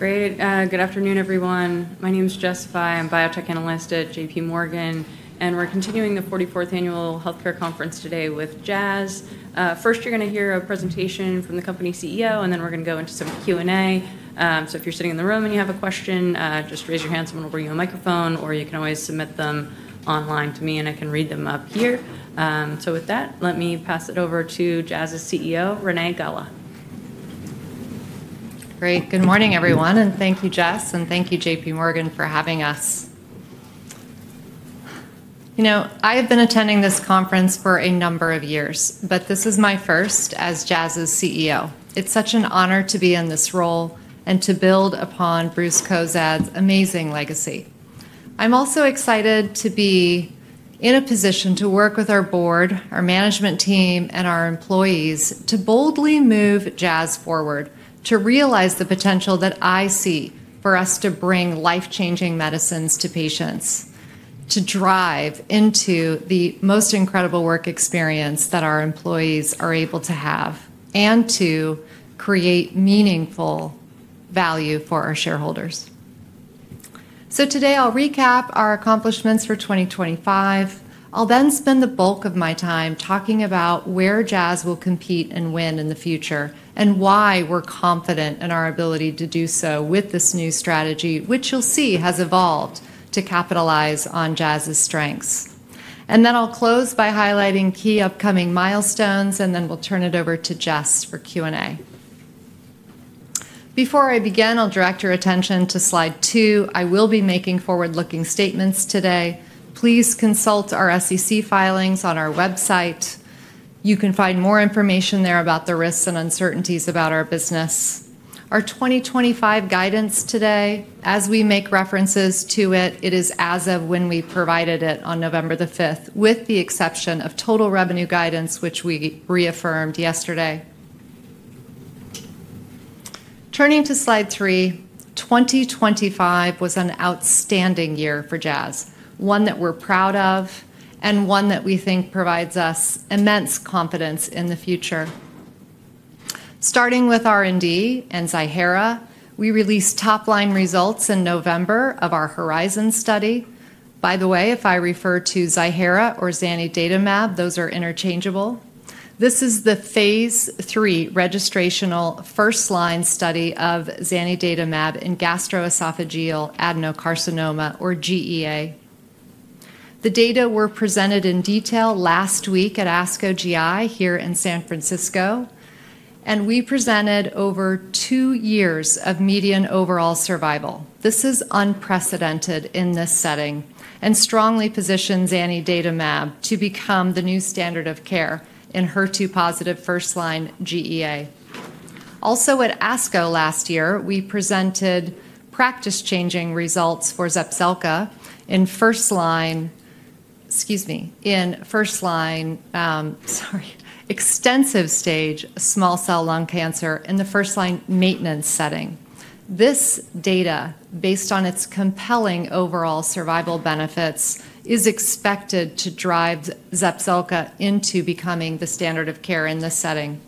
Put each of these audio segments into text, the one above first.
Great. Good afternoon, everyone. My name is Jessica Fye. I'm a biotech analyst at JPMorgan, and we're continuing the 44th Annual Healthcare Conference today with Jazz. First, you're going to hear a presentation from the company CEO, and then we're going to go into some Q&A. So if you're sitting in the room and you have a question, just raise your hand, someone will bring you a microphone, or you can always submit them online to me, and I can read them up here. So with that, let me pass it over to Jazz's CEO, Renée Galá. Great. Good morning, everyone, and thank you, Jess, and thank you, J.P. Morgan, for having us. You know, I have been attending this conference for a number of years, but this is my first as Jazz's CEO. It's such an honor to be in this role and to build upon Bruce Cozadd's amazing legacy. I'm also excited to be in a position to work with our board, our management team, and our employees to boldly move Jazz forward, to realize the potential that I see for us to bring life-changing medicines to patients, to drive into the most incredible work experience that our employees are able to have, and to create meaningful value for our shareholders. So today, I'll recap our accomplishments for 2025. I'll then spend the bulk of my time talking about where Jazz will compete and win in the future, and why we're confident in our ability to do so with this new strategy, which you'll see has evolved to capitalize on Jazz's strengths, and then I'll close by highlighting key upcoming milestones, and then we'll turn it over to Jess for Q&A. Before I begin, I'll direct your attention to Slide two. I will be making forward-looking statements today. Please consult our SEC filings on our website. You can find more information there about the risks and uncertainties about our business. Our 2025 guidance today, as we make references to it, it is as of when we provided it on November the 5th, with the exception of total revenue guidance, which we reaffirmed yesterday. Turning to Slide three, 2025 was an outstanding year for Jazz, one that we're proud of and one that we think provides us immense confidence in the future. Starting with R&D and Ziihera, we released top-line results in November of our HERIZON study. By the way, if I refer to Ziihera or zanidatamab, those are interchangeable. This is the phase III registrational first-line study of zanidatamab in gastroesophageal adenocarcinoma, or GEA. The data were presented in detail last week at ASCO GI here in San Francisco, and we presented over two years of median overall survival. This is unprecedented in this setting and strongly positions zanidatamab to become the new standard of care in HER2-positive first-line GEA. Also, at ASCO last year, we presented practice-changing results for Zepzelca in first-line extensive stage small cell lung cancer in the first-line maintenance setting. This data, based on its compelling overall survival benefits, is expected to drive Zepzelca into becoming the standard of care in this setting.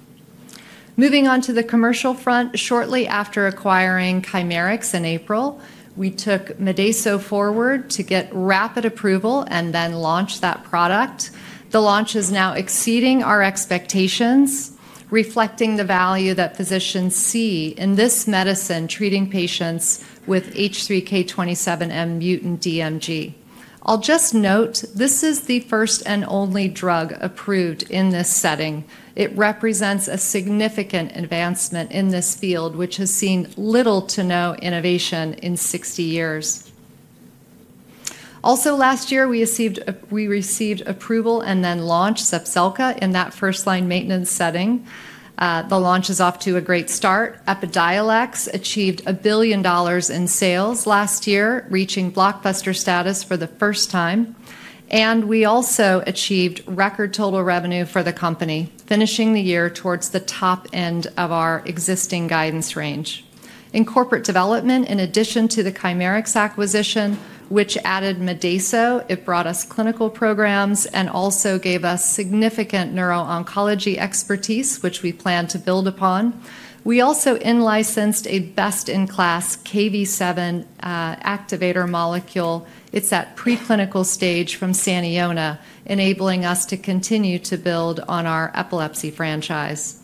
Moving on to the commercial front, shortly after acquiring Chimerix in April, we took Medaso forward to get rapid approval and then launch that product. The launch is now exceeding our expectations, reflecting the value that physicians see in this medicine treating patients with H3K27M-mutant DMG. I'll just note this is the first and only drug approved in this setting. It represents a significant advancement in this field, which has seen little to no innovation in 60 years. Also, last year, we received approval and then launched Zepzelca in that first-line maintenance setting. The launch is off to a great start. Epidiolex achieved $1 billion in sales last year, reaching blockbuster status for the first time. And we also achieved record total revenue for the company, finishing the year towards the top end of our existing guidance range. In corporate development, in addition to the Chimerix acquisition, which added Medaso, it brought us clinical programs and also gave us significant neuro-oncology expertise, which we plan to build upon. We also in-licensed a best-in-class Kv7 activator molecule. It's at preclinical stage from Saniona, enabling us to continue to build on our epilepsy franchise.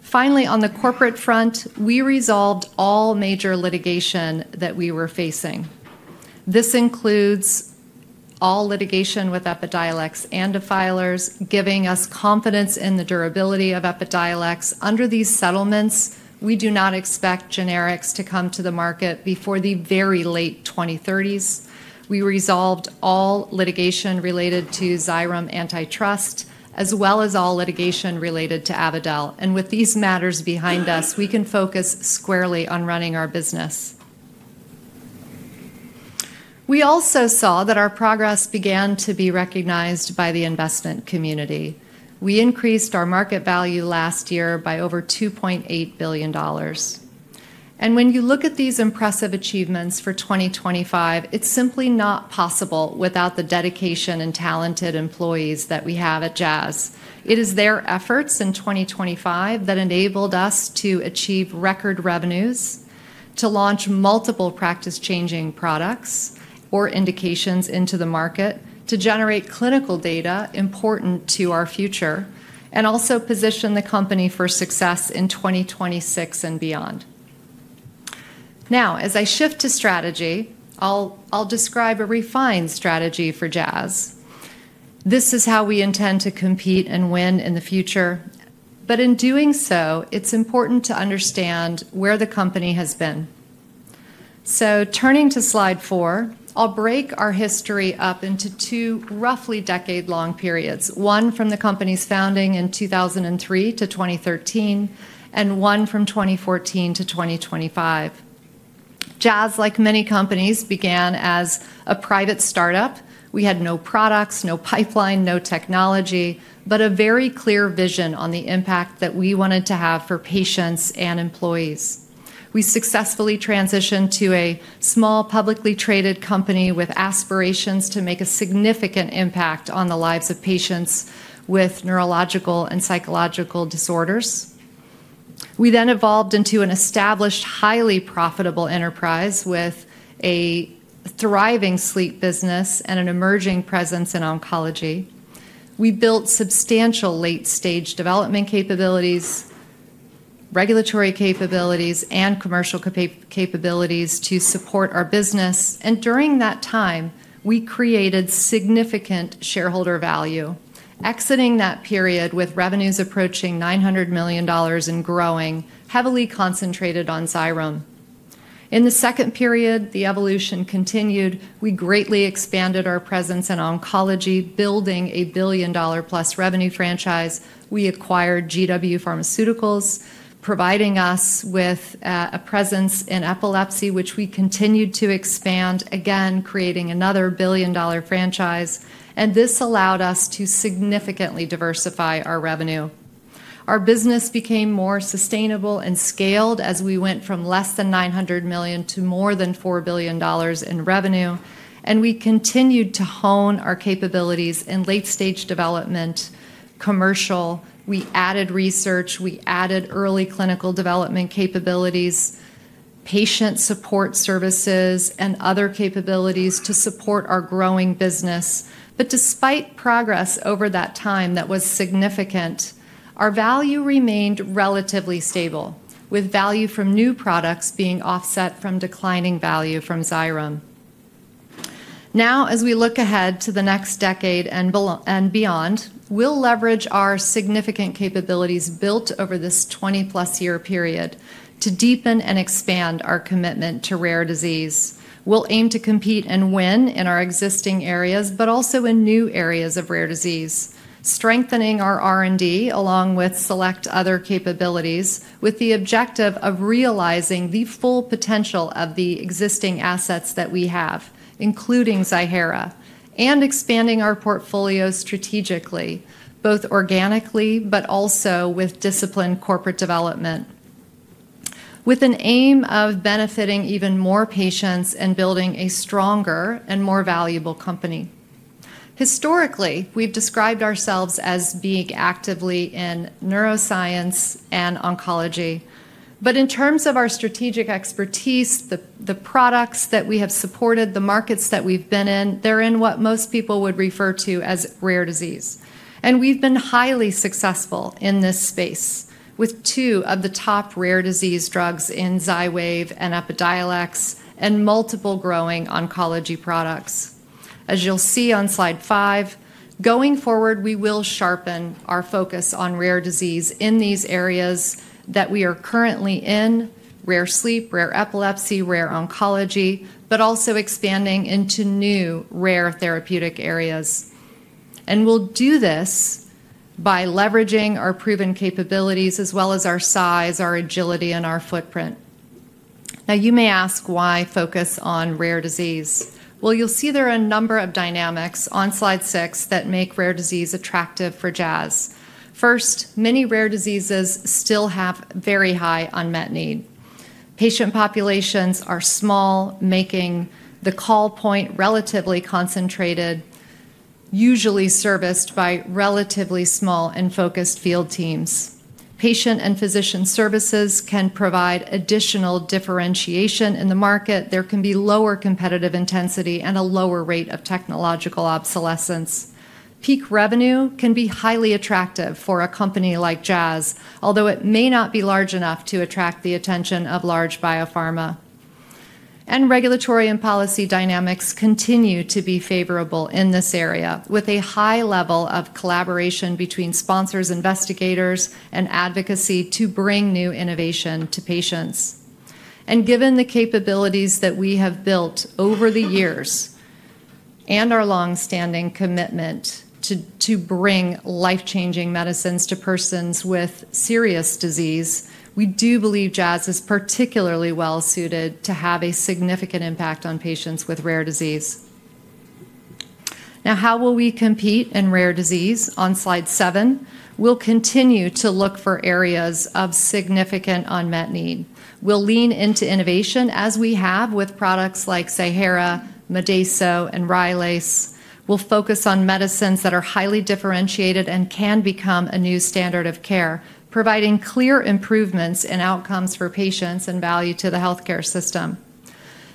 Finally, on the corporate front, we resolved all major litigation that we were facing. This includes all litigation with Epidiolex and Defitelio, giving us confidence in the durability of Epidiolex. Under these settlements, we do not expect generics to come to the market before the very late 2030s. We resolved all litigation related to Xyrem antitrust, as well as all litigation related to Avadel. And with these matters behind us, we can focus squarely on running our business. We also saw that our progress began to be recognized by the investment community. We increased our market value last year by over $2.8 billion. And when you look at these impressive achievements for 2025, it's simply not possible without the dedication and talented employees that we have at Jazz. It is their efforts in 2025 that enabled us to achieve record revenues, to launch multiple practice-changing products or indications into the market, to generate clinical data important to our future, and also position the company for success in 2026 and beyond. Now, as I shift to strategy, I'll describe a refined strategy for Jazz. This is how we intend to compete and win in the future. But in doing so, it's important to understand where the company has been. So turning to Slide four, I'll break our history up into two roughly decade-long periods, one from the company's founding in 2003 to 2013, and one from 2014 to 2025. Jazz, like many companies, began as a private startup. We had no products, no pipeline, no technology, but a very clear vision on the impact that we wanted to have for patients and employees. We successfully transitioned to a small publicly traded company with aspirations to make a significant impact on the lives of patients with neurological and psychological disorders. We then evolved into an established, highly profitable enterprise with a thriving sleep business and an emerging presence in oncology. We built substantial late-stage development capabilities, regulatory capabilities, and commercial capabilities to support our business. And during that time, we created significant shareholder value, exiting that period with revenues approaching $900 million and growing, heavily concentrated on Xyrem. In the second period, the evolution continued. We greatly expanded our presence in oncology, building a billion-dollar-plus revenue franchise. We acquired GW Pharmaceuticals, providing us with a presence in epilepsy, which we continued to expand, again, creating another billion-dollar franchise. And this allowed us to significantly diversify our revenue. Our business became more sustainable and scaled as we went from less than $900 million to more than $4 billion in revenue. And we continued to hone our capabilities in late-stage development, commercial. We added research. We added early clinical development capabilities, patient support services, and other capabilities to support our growing business. But despite progress over that time that was significant, our value remained relatively stable, with value from new products being offset from declining value from Xyrem. Now, as we look ahead to the next decade and beyond, we'll leverage our significant capabilities built over this 20+ year period to deepen and expand our commitment to rare disease. We'll aim to compete and win in our existing areas, but also in new areas of rare disease, strengthening our R&D along with select other capabilities, with the objective of realizing the full potential of the existing assets that we have, including Ziihera, and expanding our portfolios strategically, both organically, but also with disciplined corporate development, with an aim of benefiting even more patients and building a stronger and more valuable company. Historically, we've described ourselves as being actively in neuroscience and oncology. But in terms of our strategic expertise, the products that we have supported, the markets that we've been in, they're in what most people would refer to as rare disease. We've been highly successful in this space with two of the top rare disease drugs in Xywav and Epidiolex and multiple growing oncology products. As you'll see on Slide five, going forward, we will sharpen our focus on rare disease in these areas that we are currently in: rare sleep, rare epilepsy, rare oncology, but also expanding into new rare therapeutic areas. We'll do this by leveraging our proven capabilities as well as our size, our agility, and our footprint. Now, you may ask why focus on rare disease? You'll see there are a number of dynamics on Slide six that make rare disease attractive for Jazz. First, many rare diseases still have very high unmet need. Patient populations are small, making the call point relatively concentrated, usually serviced by relatively small and focused field teams. Patient and physician services can provide additional differentiation in the market. There can be lower competitive intensity and a lower rate of technological obsolescence. Peak revenue can be highly attractive for a company like Jazz, although it may not be large enough to attract the attention of large biopharma. And regulatory and policy dynamics continue to be favorable in this area, with a high level of collaboration between sponsors, investigators, and advocacy to bring new innovation to patients. And given the capabilities that we have built over the years and our long-standing commitment to bring life-changing medicines to persons with serious disease, we do believe Jazz is particularly well-suited to have a significant impact on patients with rare disease. Now, how will we compete in rare disease? On Slide seven, we'll continue to look for areas of significant unmet need. We'll lean into innovation as we have with products like Ziihera, Medaso, and Rylaze. We'll focus on medicines that are highly differentiated and can become a new standard of care, providing clear improvements in outcomes for patients and value to the healthcare system.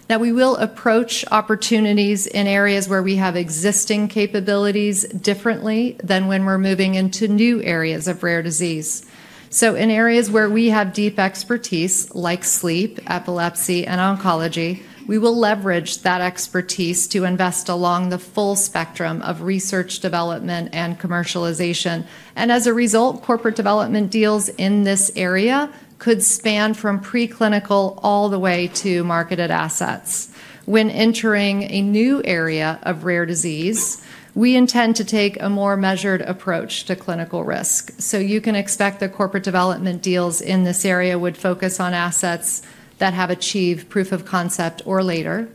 Now, we will approach opportunities in areas where we have existing capabilities differently than when we're moving into new areas of rare disease. So in areas where we have deep expertise, like sleep, epilepsy, and oncology, we will leverage that expertise to invest along the full spectrum of research, development, and commercialization. And as a result, corporate development deals in this area could span from preclinical all the way to marketed assets. When entering a new area of rare disease, we intend to take a more measured approach to clinical risk. You can expect the corporate development deals in this area would focus on assets that have achieved proof of concept or later,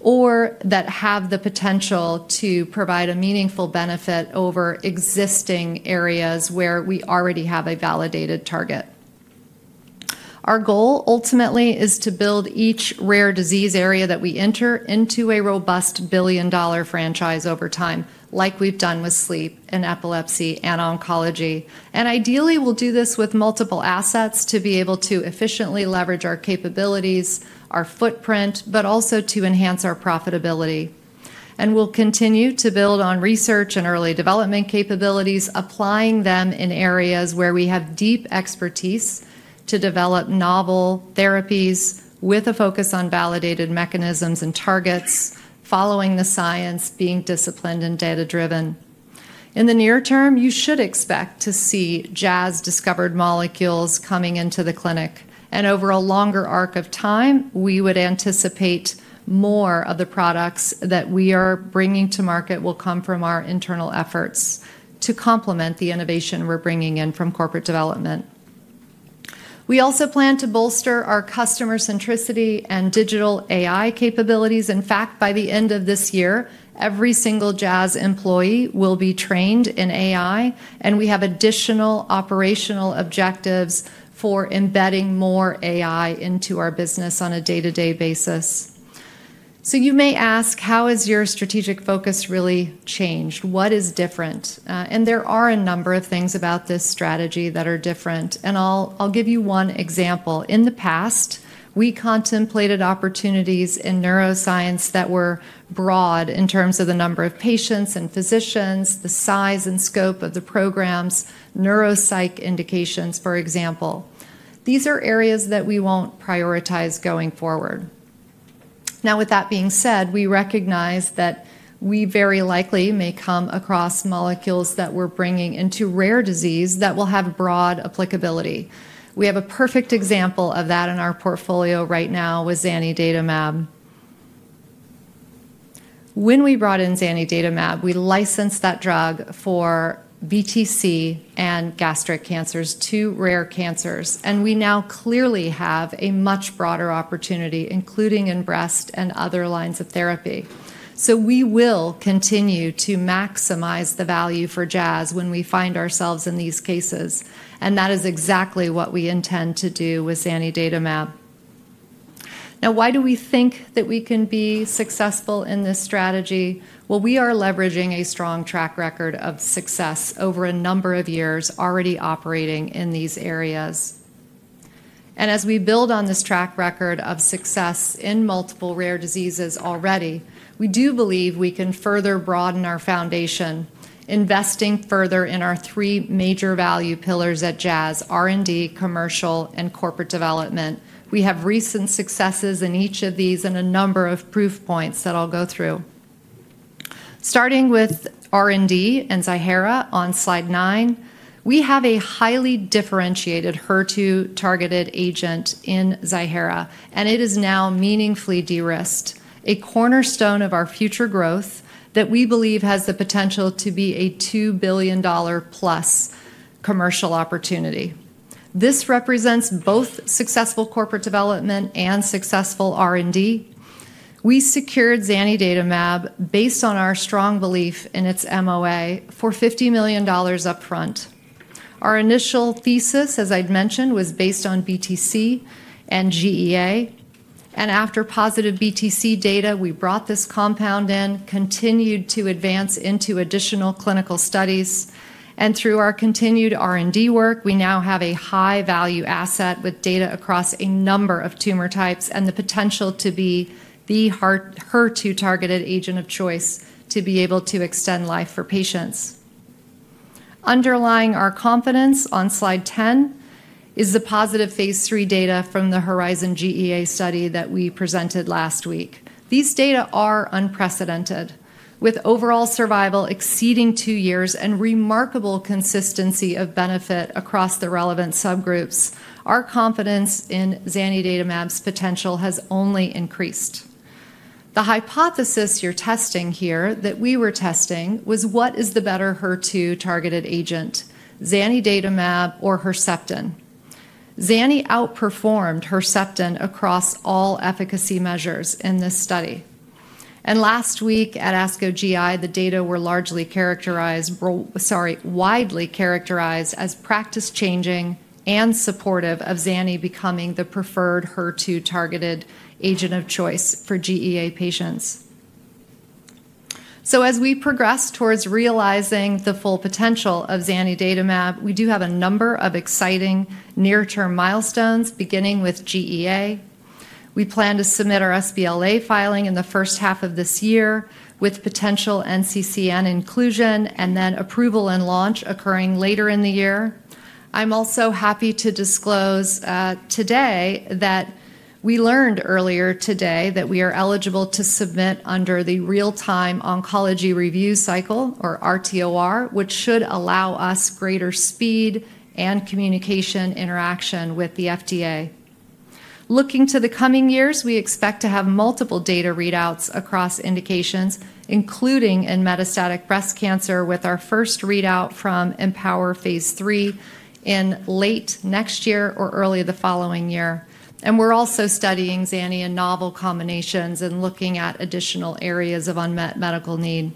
or that have the potential to provide a meaningful benefit over existing areas where we already have a validated target. Our goal ultimately is to build each rare disease area that we enter into a robust billion-dollar franchise over time, like we've done with sleep and epilepsy and oncology. Ideally, we'll do this with multiple assets to be able to efficiently leverage our capabilities, our footprint, but also to enhance our profitability. We'll continue to build on research and early development capabilities, applying them in areas where we have deep expertise to develop novel therapies with a focus on validated mechanisms and targets, following the science, being disciplined and data-driven. In the near term, you should expect to see Jazz-discovered molecules coming into the clinic. And over a longer arc of time, we would anticipate more of the products that we are bringing to market will come from our internal efforts to complement the innovation we're bringing in from corporate development. We also plan to bolster our customer centricity and digital AI capabilities. In fact, by the end of this year, every single Jazz employee will be trained in AI, and we have additional operational objectives for embedding more AI into our business on a day-to-day basis. So you may ask, how has your strategic focus really changed? What is different? And there are a number of things about this strategy that are different. And I'll give you one example. In the past, we contemplated opportunities in neuroscience that were broad in terms of the number of patients and physicians, the size and scope of the programs, neuropsych indications, for example. These are areas that we won't prioritize going forward. Now, with that being said, we recognize that we very likely may come across molecules that we're bringing into rare disease that will have broad applicability. We have a perfect example of that in our portfolio right now with zanidatamab. When we brought in zanidatamab, we licensed that drug for BTC and gastric cancers, two rare cancers. And we now clearly have a much broader opportunity, including in breast and other lines of therapy. So we will continue to maximize the value for Jazz when we find ourselves in these cases. And that is exactly what we intend to do with zanidatamab. Now, why do we think that we can be successful in this strategy? Well, we are leveraging a strong track record of success over a number of years already operating in these areas. And as we build on this track record of success in multiple rare diseases already, we do believe we can further broaden our foundation, investing further in our three major value pillars at Jazz: R&D, commercial, and corporate development. We have recent successes in each of these and a number of proof points that I'll go through. Starting with R&D and Ziihera on Slide nine, we have a highly differentiated HER2-targeted agent in Ziihera, and it is now meaningfully de-risked, a cornerstone of our future growth that we believe has the potential to be a $2 billion-plus commercial opportunity. This represents both successful corporate development and successful R&D. We secured zanidatamab based on our strong belief in its MOA for $50 million upfront. Our initial thesis, as I'd mentioned, was based on BTC and GEA. After positive BTC data, we brought this compound in, continued to advance into additional clinical studies. Through our continued R&D work, we now have a high-value asset with data across a number of tumor types and the potential to be the HER2-targeted agent of choice to be able to extend life for patients. Underlying our confidence on Slide 10 is the positive phase III data from the HERIZON GEA study that we presented last week. These data are unprecedented, with overall survival exceeding two years and remarkable consistency of benefit across the relevant subgroups. Our confidence in zanidatamab's potential has only increased. The hypothesis you're testing here that we were testing was, what is the better HER2-targeted agent, zanidatamab or Herceptin? zanidatamab outperformed Herceptin across all efficacy measures in this study. Last week at ASCO GI, the data were largely characterized, sorry, widely characterized as practice-changing and supportive of zanidatamab becoming the preferred HER2-targeted agent of choice for GEA patients. As we progress towards realizing the full potential of zanidatamab, we do have a number of exciting near-term milestones, beginning with GEA. We plan to submit our sBLA filing in the first half of this year with potential NCCN inclusion and then approval and launch occurring later in the year. I'm also happy to disclose today that we learned earlier today that we are eligible to submit under the Real-Time Oncology Review, or RTOR, which should allow us greater speed and communication interaction with the FDA. Looking to the coming years, we expect to have multiple data readouts across indications, including in metastatic breast cancer, with our first readout from EmpowHER phase III in late next year or early the following year, and we're also studying Zani in novel combinations and looking at additional areas of unmet medical need.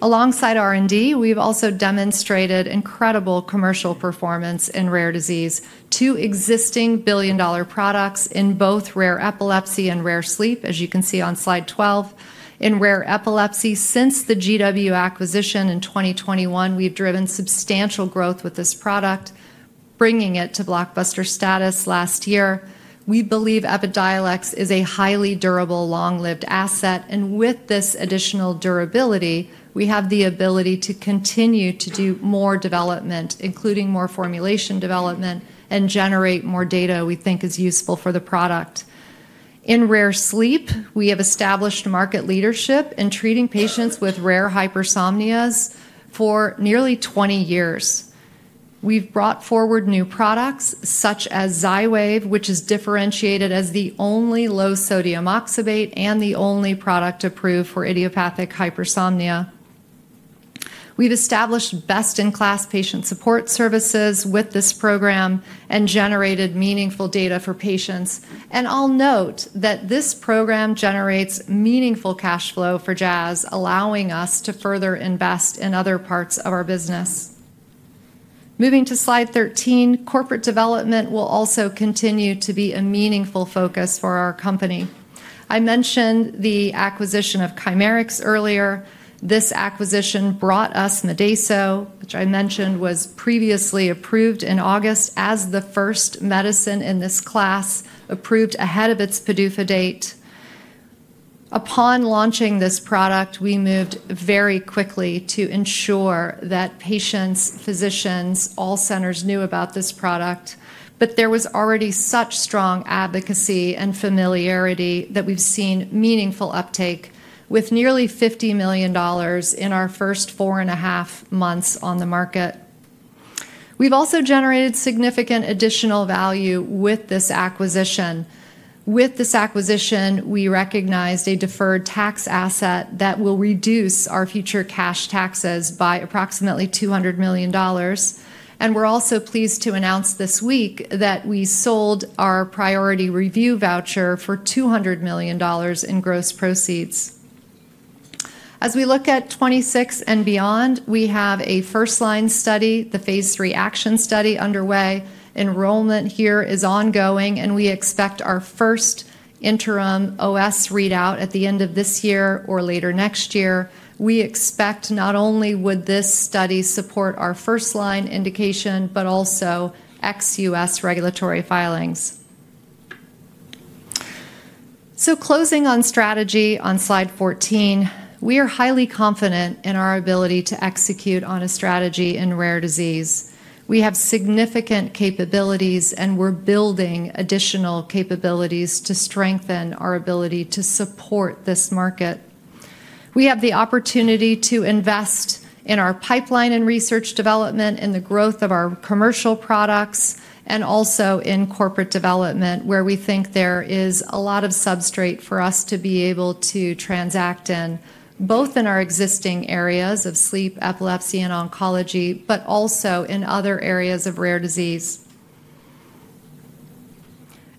Alongside R&D, we've also demonstrated incredible commercial performance in rare disease, two existing billion-dollar products in both rare epilepsy and rare sleep, as you can see on Slide 12. In rare epilepsy, since the GW acquisition in 2021, we've driven substantial growth with this product, bringing it to blockbuster status last year. We believe Epidiolex is a highly durable, long-lived asset, and with this additional durability, we have the ability to continue to do more development, including more formulation development, and generate more data we think is useful for the product. In rare sleep, we have established market leadership in treating patients with rare hypersomnias for nearly 20 years. We've brought forward new products such as Xywav, which is differentiated as the only low-sodium oxybate and the only product approved for idiopathic hypersomnia. We've established best-in-class patient support services with this program and generated meaningful data for patients. And I'll note that this program generates meaningful cash flow for Jazz, allowing us to further invest in other parts of our business. Moving to Slide 13, corporate development will also continue to be a meaningful focus for our company. I mentioned the acquisition of Chimerix earlier. This acquisition brought us Medaso, which I mentioned was previously approved in August as the first medicine in this class approved ahead of its PDUFA date. Upon launching this product, we moved very quickly to ensure that patients, physicians, all centers knew about this product. But there was already such strong advocacy and familiarity that we've seen meaningful uptake with nearly $50 million in our first four and a half months on the market. We've also generated significant additional value with this acquisition. With this acquisition, we recognized a deferred tax asset that will reduce our future cash taxes by approximately $200 million. And we're also pleased to announce this week that we sold our Priority Review Voucher for $200 million in gross proceeds. As we look at 26 and beyond, we have a first-line study, the phase III ACTION study underway. Enrollment here is ongoing, and we expect our first interim OS readout at the end of this year or later next year. We expect not only would this study support our first-line indication, but also ex-U.S. regulatory filings. So closing on strategy on Slide 14, we are highly confident in our ability to execute on a strategy in rare disease. We have significant capabilities, and we're building additional capabilities to strengthen our ability to support this market. We have the opportunity to invest in our pipeline and research development, in the growth of our commercial products, and also in corporate development, where we think there is a lot of substrate for us to be able to transact in, both in our existing areas of sleep, epilepsy, and oncology, but also in other areas of rare disease.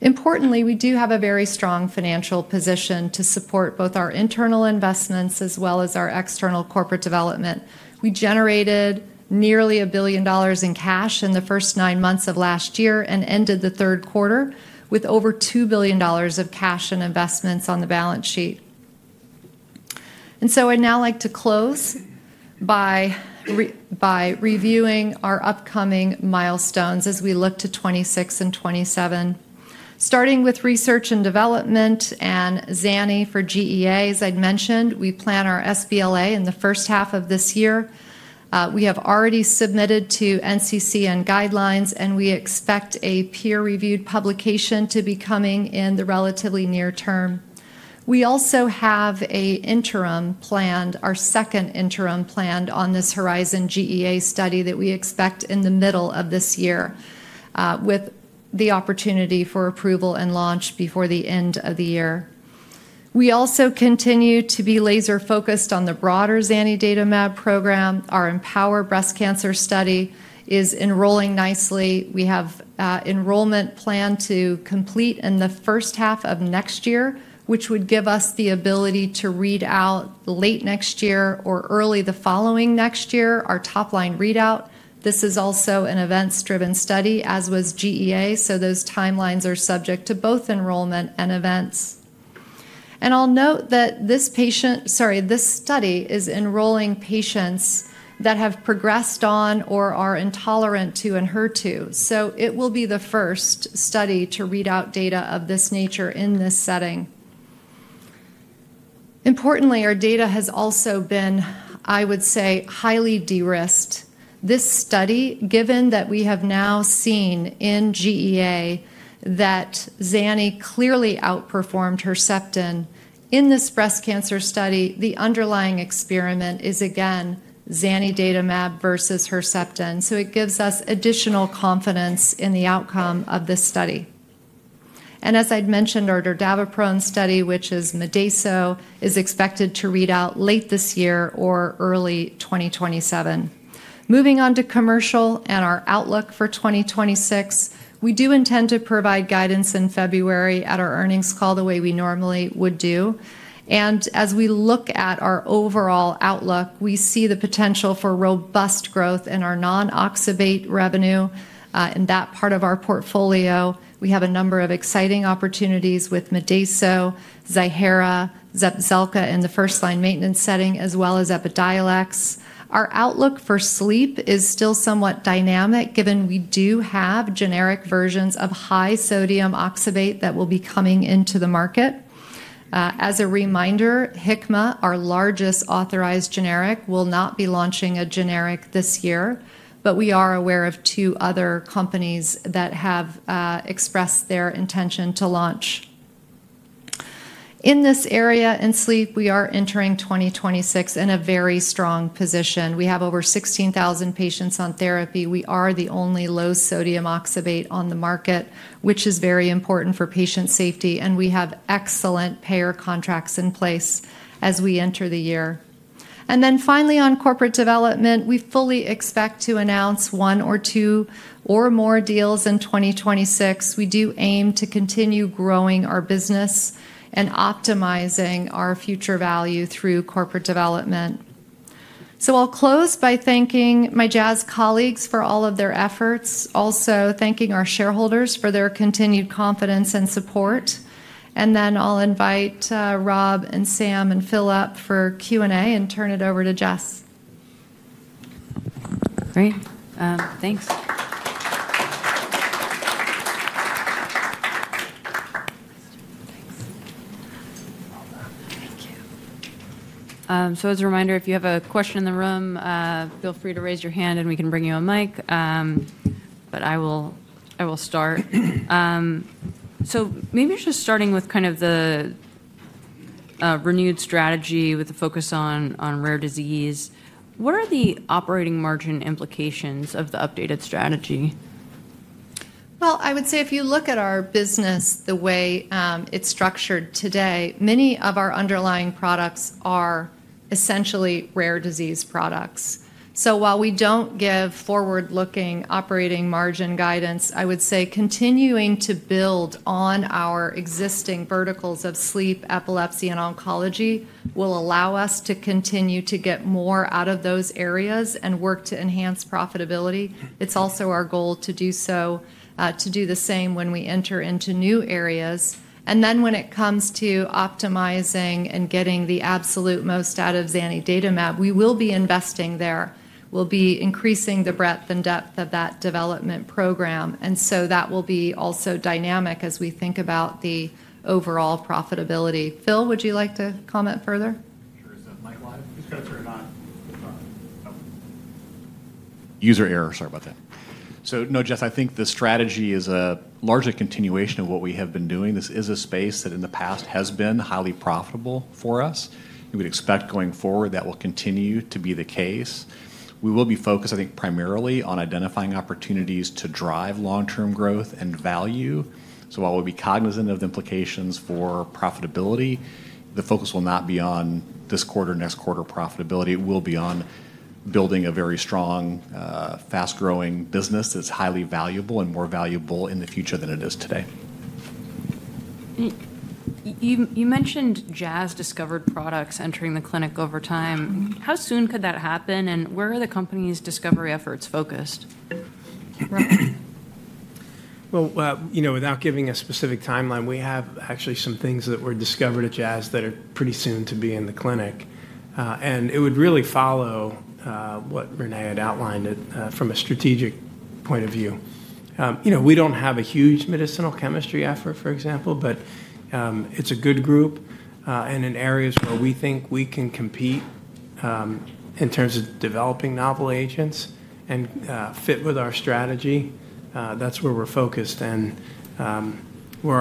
Importantly, we do have a very strong financial position to support both our internal investments as well as our external corporate development. We generated nearly $1 billion in cash in the first nine months of last year and ended the third quarter with over $2 billion of cash and investments on the balance sheet. And so I'd now like to close by reviewing our upcoming milestones as we look to 2026 and 2027. Starting with research and development and Zani for GEA, as I'd mentioned, we plan our sBLA in the first half of this year. We have already submitted to NCCN Guidelines, and we expect a peer-reviewed publication to be coming in the relatively near term. We also have our second interim planned on this HERIZON GEA study that we expect in the middle of this year, with the opportunity for approval and launch before the end of the year. We also continue to be laser-focused on the broader zanidatamab program. Our EmpowHER breast cancer study is enrolling nicely. We have enrollment planned to complete in the first half of next year, which would give us the ability to read out late next year or early the following next year, our top-line readout. This is also an events-driven study, as was GEA, so those timelines are subject to both enrollment and events. And I'll note that this patient, sorry, this study is enrolling patients that have progressed on or are intolerant to an HER2. So it will be the first study to read out data of this nature in this setting. Importantly, our data has also been, I would say, highly de-risked. This study, given that we have now seen in GEA that zanidatamab clearly outperformed Herceptin in this breast cancer study, the underlying experiment is again zanidatamab versus Herceptin. It gives us additional confidence in the outcome of this study. As I'd mentioned, our dordaviprone study, which is Medaso, is expected to read out late this year or early 2027. Moving on to commercial and our outlook for 2026, we do intend to provide guidance in February at our earnings call the way we normally would do. As we look at our overall outlook, we see the potential for robust growth in our non-oxybate revenue in that part of our portfolio. We have a number of exciting opportunities with Medaso, Ziihera, Zepzelca in the first-line maintenance setting, as well as Epidiolex. Our outlook for sleep is still somewhat dynamic, given we do have generic versions of high-sodium oxybate that will be coming into the market. As a reminder, Hikma, our largest authorized generic, will not be launching a generic this year, but we are aware of two other companies that have expressed their intention to launch. In this area in sleep, we are entering 2026 in a very strong position. We have over 16,000 patients on therapy. We are the only low-sodium oxybate on the market, which is very important for patient safety, and we have excellent payer contracts in place as we enter the year. Then finally, on corporate development, we fully expect to announce one or two or more deals in 2026. We do aim to continue growing our business and optimizing our future value through corporate development. I'll close by thanking my Jazz colleagues for all of their efforts, also thanking our shareholders for their continued confidence and support. And then I'll invite Rob and Sam and Philip for Q&A and turn it over to Jess. Great. Thanks. Thank you. So as a reminder, if you have a question in the room, feel free to raise your hand and we can bring you a mic. But I will start. So maybe just starting with kind of the renewed strategy with the focus on rare disease, what are the operating margin implications of the updated strategy? I would say if you look at our business the way it's structured today, many of our underlying products are essentially rare disease products. So while we don't give forward-looking operating margin guidance, I would say continuing to build on our existing verticals of sleep, epilepsy, and oncology will allow us to continue to get more out of those areas and work to enhance profitability. It's also our goal to do so, to do the same when we enter into new areas. And then when it comes to optimizing and getting the absolute most out of zanidatamab, we will be investing there. We'll be increasing the breadth and depth of that development program. And so that will be also dynamic as we think about the overall profitability. Phil, would you like to comment further? Sure. Is that Mike Lime? These cards are not the top. Oh. User error. Sorry about that. So, no, Jess, I think the strategy is a larger continuation of what we have been doing. This is a space that in the past has been highly profitable for us. We would expect going forward that will continue to be the case. We will be focused, I think, primarily on identifying opportunities to drive long-term growth and value. So while we'll be cognizant of the implications for profitability, the focus will not be on this quarter or next quarter profitability. It will be on building a very strong, fast-growing business that's highly valuable and more valuable in the future than it is today. You mentioned Jazz discovered products entering the clinic over time. How soon could that happen? And where are the company's discovery efforts focused? Without giving a specific timeline, we have actually some things that were discovered at Jazz that are pretty soon to be in the clinic. It would really follow what Renée had outlined from a strategic point of view. We don't have a huge medicinal chemistry effort, for example, but it's a good group. In areas where we think we can compete in terms of developing novel agents and fit with our strategy, that's where we're focused. We're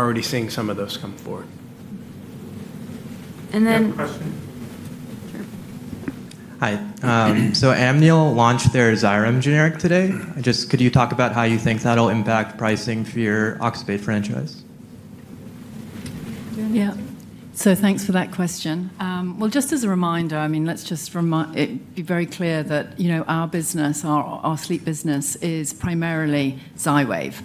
already seeing some of those come forward. And then. Quick question. Sure. Hi. So Amneal launched their Xyrem generic today. Could you talk about how you think that'll impact pricing for your oxybate franchise? Yeah. So thanks for that question. Well, just as a reminder, I mean, let's just be very clear that our business, our sleep business, is primarily Xywav,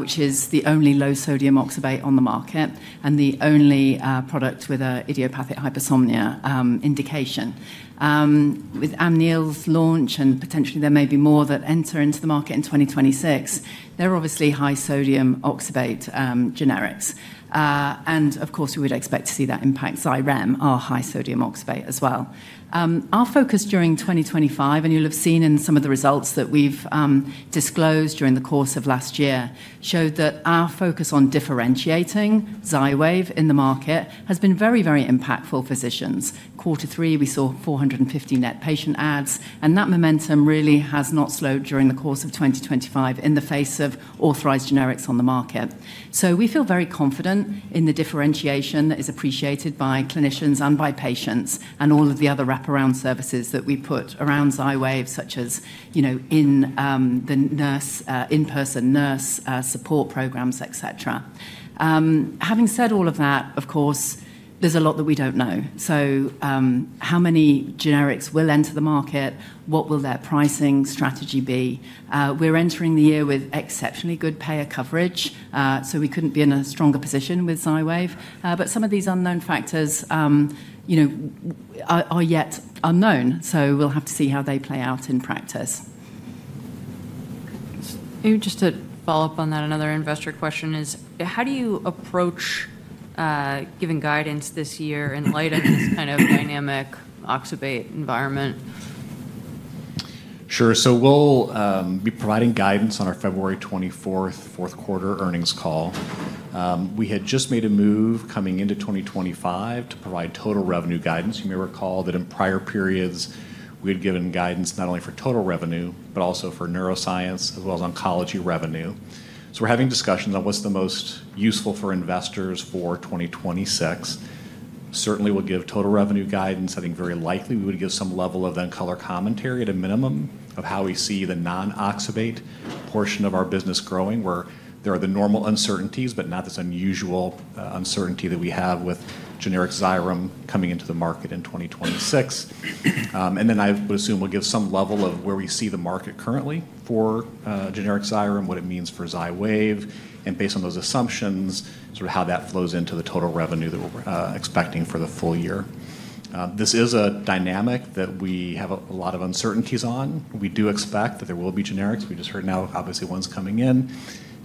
which is the only low-sodium oxybate on the market and the only product with an idiopathic hypersomnia indication. With Amneal's launch, and potentially there may be more that enter into the market in 2026, they're obviously high-sodium oxybate generics. And of course, we would expect to see that impact Xyrem, our high-sodium oxybate, as well. Our focus during 2025, and you'll have seen in some of the results that we've disclosed during the course of last year, showed that our focus on differentiating Xywav in the market has been very, very impactful for physicians. Quarter three, we saw 450 net patient adds. And that momentum really has not slowed during the course of 2025 in the face of authorized generics on the market. So we feel very confident in the differentiation that is appreciated by clinicians and by patients and all of the other wraparound services that we put around Xywav, such as in-person nurse support programs, etc. Having said all of that, of course, there's a lot that we don't know. So how many generics will enter the market? What will their pricing strategy be? We're entering the year with exceptionally good payer coverage, so we couldn't be in a stronger position with Xywav. But some of these unknown factors are yet unknown, so we'll have to see how they play out in practice. Just to follow up on that, another investor question is, how do you approach giving guidance this year in light of this kind of dynamic oxybate environment? Sure. So we'll be providing guidance on our February 24th, fourth quarter earnings call. We had just made a move coming into 2025 to provide total revenue guidance. You may recall that in prior periods, we had given guidance not only for total revenue, but also for neuroscience as well as oncology revenue. So we're having discussions on what's the most useful for investors for 2026. Certainly, we'll give total revenue guidance. I think very likely we would give some level of then color commentary at a minimum of how we see the non-oxybate portion of our business growing, where there are the normal uncertainties, but not this unusual uncertainty that we have with generic Xyrem coming into the market in 2026. And then I would assume we'll give some level of where we see the market currently for generic Xyrem, what it means for Xywav, and based on those assumptions, sort of how that flows into the total revenue that we're expecting for the full year. This is a dynamic that we have a lot of uncertainties on. We do expect that there will be generics. We just heard now, obviously, one's coming in,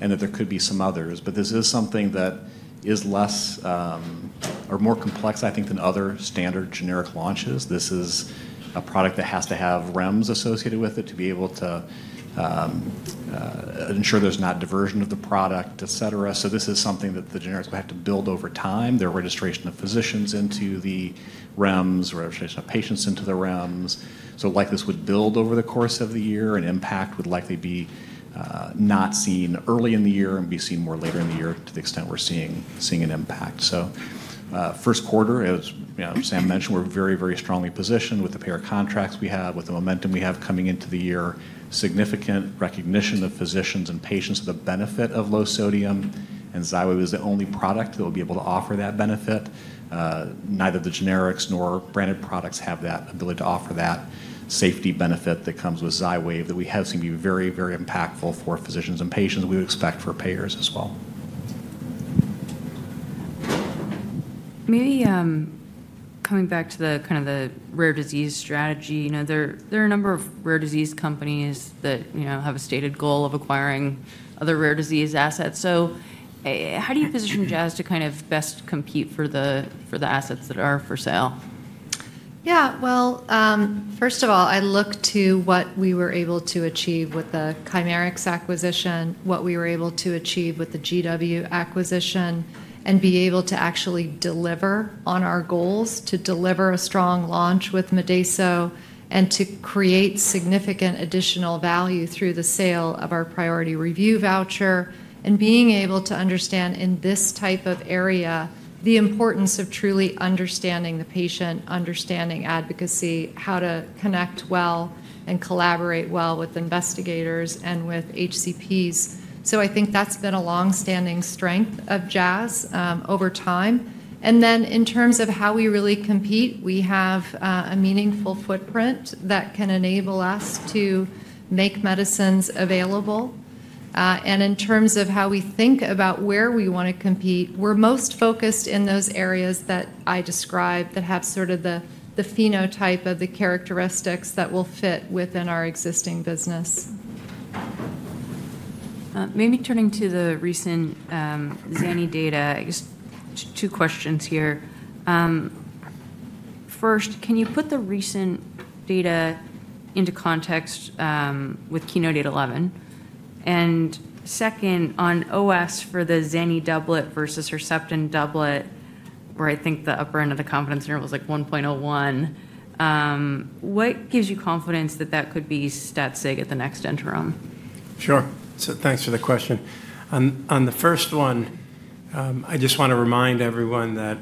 and that there could be some others. But this is something that is less or more complex, I think, than other standard generic launches. This is a product that has to have REMS associated with it to be able to ensure there's not diversion of the product, etc. So this is something that the generics will have to build over time, their registration of physicians into the REMS, registration of patients into the REMS. Likely this would build over the course of the year, and impact would likely be not seen early in the year and be seen more later in the year to the extent we're seeing an impact. First quarter, as Sam mentioned, we're very, very strongly positioned with the payer contracts we have, with the momentum we have coming into the year, significant recognition of physicians and patients of the benefit of low sodium. Xywav is the only product that will be able to offer that benefit. Neither the generics nor branded products have that ability to offer that safety benefit that comes with Xywav that we have seen be very, very impactful for physicians and patients, we would expect for payers as well. Maybe coming back to the kind of the rare disease strategy, there are a number of rare disease companies that have a stated goal of acquiring other rare disease assets. So how do you position Jazz to kind of best compete for the assets that are for sale? Yeah. Well, first of all, I look to what we were able to achieve with the Chimerix acquisition, what we were able to achieve with the GW acquisition, and be able to actually deliver on our goals to deliver a strong launch with Medaso and to create significant additional value through the sale of our priority review voucher, and being able to understand in this type of area the importance of truly understanding the patient, understanding advocacy, how to connect well and collaborate well with investigators and with HCPs. So I think that's been a long-standing strength of Jazz over time. And then in terms of how we really compete, we have a meaningful footprint that can enable us to make medicines available. In terms of how we think about where we want to compete, we're most focused in those areas that I described that have sort of the phenotype of the characteristics that will fit within our existing business. Maybe turning to the recent Zani data, just two questions here. First, can you put the recent data into context with KEYNOTE-811? And second, on OS for the Zani doublet versus Herceptin doublet, where I think the upper end of the confidence interval is like 1.01, what gives you confidence that that could be stat-sig at the next interim? Sure. So thanks for the question. On the first one, I just want to remind everyone that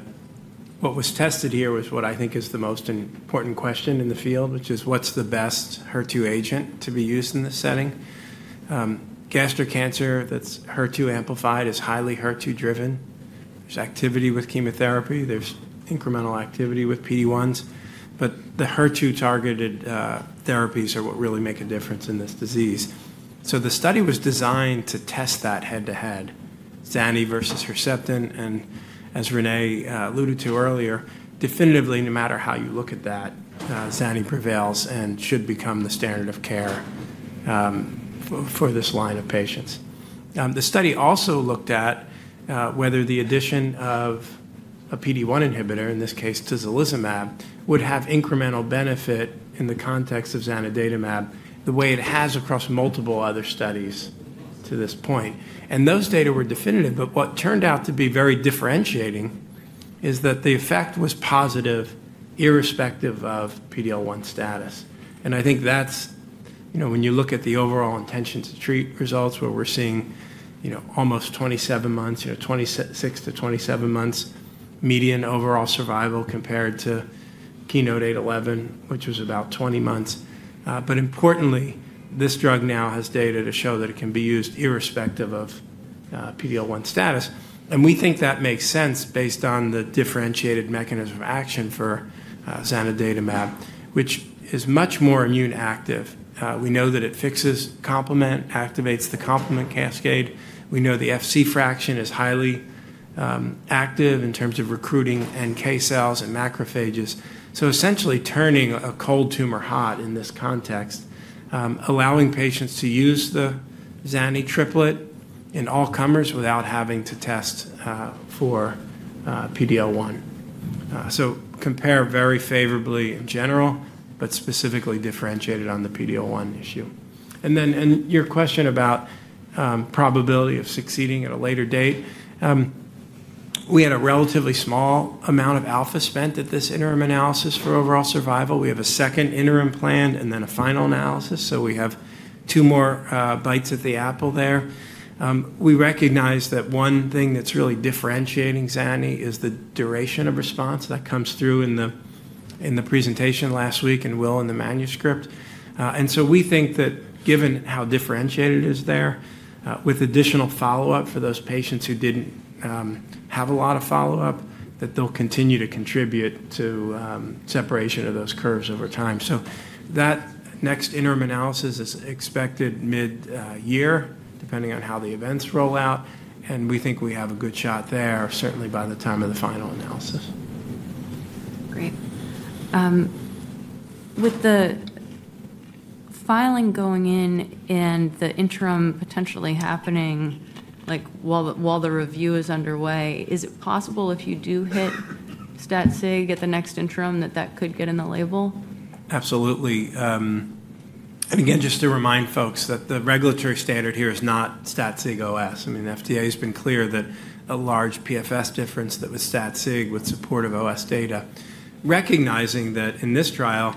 what was tested here was what I think is the most important question in the field, which is what's the best HER2 agent to be used in this setting. Gastric cancer that's HER2 amplified is highly HER2-driven. There's activity with chemotherapy. There's incremental activity with PD-1s. But the HER2-targeted therapies are what really make a difference in this disease. So the study was designed to test that head-to-head, Zani versus Herceptin. And as Renée alluded to earlier, definitively, no matter how you look at that, Zani prevails and should become the standard of care for this line of patients. The study also looked at whether the addition of a PD-1 inhibitor, in this case tislelizumab, would have incremental benefit in the context of zanidatamab the way it has across multiple other studies to this point. And those data were definitive. But what turned out to be very differentiating is that the effect was positive irrespective of PD-1 status. And I think that's when you look at the overall intention to treat results, where we're seeing almost 27 months, 26-27 months median overall survival compared to KEYNOTE-811, which was about 20 months. But importantly, this drug now has data to show that it can be used irrespective of PD-1 status. And we think that makes sense based on the differentiated mechanism of action for zanidatamab, which is much more immune active. We know that it fixes complement, activates the complement cascade. We know the Fc function is highly active in terms of recruiting NK cells and macrophages. So essentially turning a cold tumor hot in this context, allowing patients to use the Zani triplet in all comers without having to test for PD-1. So compare very favorably in general, but specifically differentiated on the PD-1 issue. And then your question about probability of succeeding at a later date, we had a relatively small amount of alpha spent at this interim analysis for overall survival. We have a second interim planned and then a final analysis. So we have two more bites at the apple there. We recognize that one thing that's really differentiating Zani is the duration of response that comes through in the presentation last week and will in the manuscript. And so we think that given how differentiated it is there, with additional follow-up for those patients who didn't have a lot of follow-up, that they'll continue to contribute to separation of those curves over time. So that next interim analysis is expected mid-year, depending on how the events roll out. And we think we have a good shot there, certainly by the time of the final analysis. Great. With the filing going in and the interim potentially happening while the review is underway, is it possible if you do hit stat-sig at the next interim that that could get in the label? Absolutely. And again, just to remind folks that the regulatory standard here is not stat-sig OS. I mean, the FDA has been clear that a large PFS difference that was stat-sig with support of OS data, recognizing that in this trial,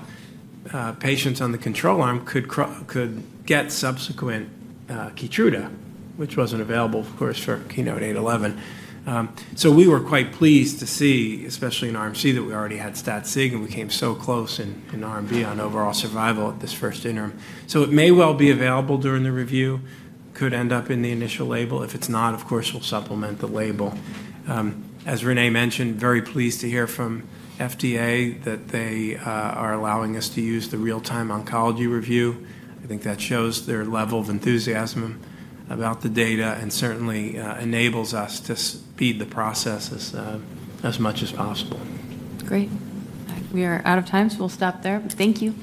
patients on the control arm could get subsequent Keytruda, which wasn't available, of course, for KEYNOTE-811. So we were quite pleased to see, especially in Arm C, that we already had stat-sig and we came so close in Arm B on overall survival at this first interim. So it may well be available during the review, could end up in the initial label. If it's not, of course, we'll supplement the label. As Renée mentioned, very pleased to hear from FDA that they are allowing us to use the Real-Time Oncology Review. I think that shows their level of enthusiasm about the data and certainly enables us to speed the process as much as possible. Great. We are out of time, so we'll stop there. Thank you.